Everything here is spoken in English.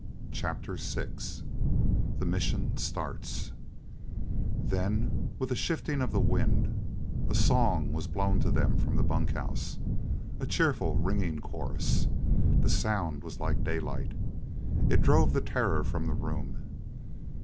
CHAPTER VI THE MISSION STARTS Then, with a shifting of the wind, a song was blown to them from the bunk house, a cheerful, ringing chorus; the sound was like daylight it drove the terror from the room.